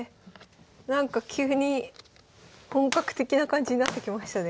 なんか急に本格的な感じになってきましたね。